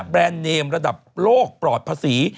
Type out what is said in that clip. เนมระดับโลกปลอดภาษี